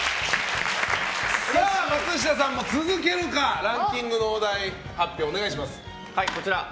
松下さんも続けるかランキングのお題発表をお願いします。